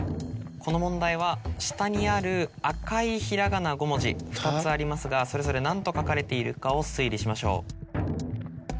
この問題は下にある赤い平仮名５文字２つありますがそれぞれ何と書かれているかを推理しましょう。